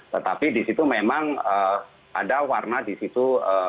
tetapi di situ memang ada warna di situ